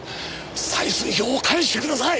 採寸表を返してください！